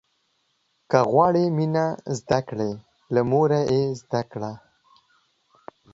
که غواړې مينه زده کړې، له موره يې زده کړه.